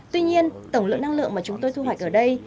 tuy nhiên tổng lượng năng lượng mà chúng tôi thu hoạch ở đây